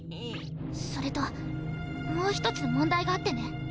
それともう１つ問題があってね。